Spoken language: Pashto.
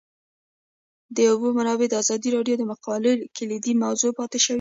د اوبو منابع د ازادي راډیو د مقالو کلیدي موضوع پاتې شوی.